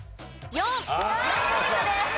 ４ポイントです。